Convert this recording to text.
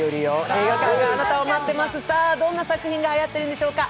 映画館があなたを待ってます、どんな作品が待ってるんでしょうか。